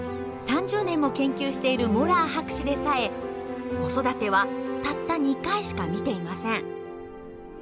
３０年も研究しているモラー博士でさえ子育てはたった２回しか見ていません。